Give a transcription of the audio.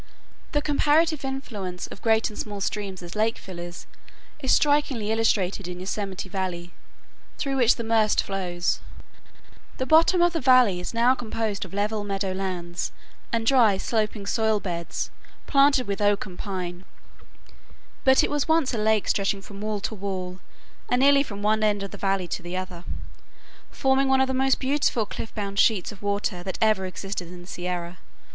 The comparative influence of great and small streams as lake fillers is strikingly illustrated in Yosemite Valley, through which the Merced flows. The bottom of the valley is now composed of level meadow lands and dry, sloping soil beds planted with oak and pine, but it was once a lake stretching from wall to wall and nearly from one end of the valley to the other, forming one of the most beautiful cliff bound sheets of water that ever existed in the Sierra.